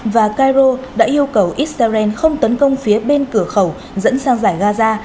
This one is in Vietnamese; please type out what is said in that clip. và cairo đã yêu cầu israel không tấn công phía bên cửa khẩu dẫn sang giải gaza